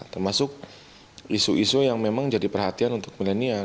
termasuk isu isu yang memang jadi perhatian untuk milenial